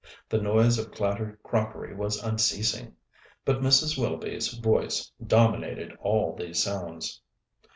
The noise of clattered crockery was unceasing. But Mrs. Willoughby's voice dominated all these sounds.